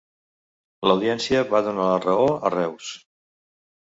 L'Audiència va donar la raó a Reus.